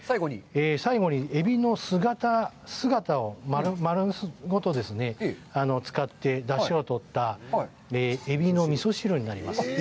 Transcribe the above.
最後にエビの姿を丸ごと使って出汁を取ったエビの味噌汁になります。